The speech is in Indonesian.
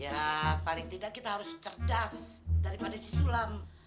ya paling tidak kita harus cerdas daripada si sulam